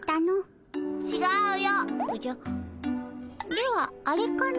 ではあれかの？